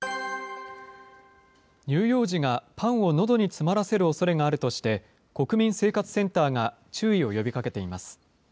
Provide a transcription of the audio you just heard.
乳幼児がパンをのどに詰まらせるおそれがあるとして、国民生活センターが注意を呼びかけています。